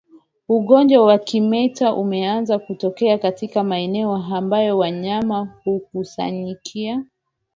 Ugonjwa wa kimeta unaweza kutokea katika maeneo ambayo wanyama hukusanyikia